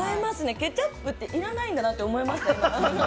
ケチャップって要らないんだなって思いました、今。